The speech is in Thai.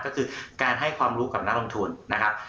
ก็คือการให้ความรู้กับนักลงทุนนะครับ